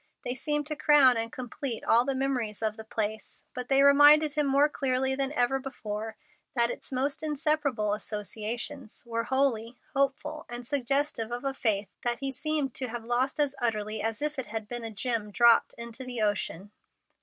They seemed to crown and complete all the memories of the place, but they reminded him more clearly than ever before that its most inseparable associations were holy, hopeful, and suggestive of a faith that he seemed to have lost as utterly as if it had been a gem dropped into the ocean.